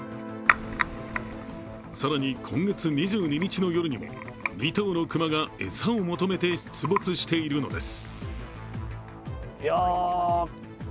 更に、今月２２日の夜にも２頭の熊が餌を求めて出没しているのです。